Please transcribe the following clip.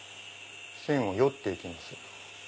線をよって行きます。